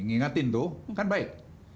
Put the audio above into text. ngingatin tuh kan baik